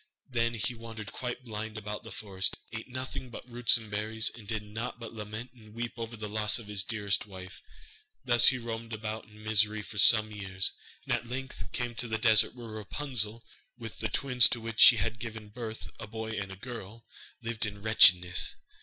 Then he wandered quite blind about the forest, ate nothing but roots and berries, and did naught but lament and weep over the loss of his dearest wife. Thus he roamed about in misery for some years, and at length came to the desert where Rapunzel, with the twins to which she had given birth, a boy and a girl, lived in wretchedness.